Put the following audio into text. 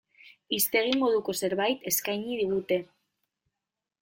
Hiztegi moduko zerbait eskaini digute.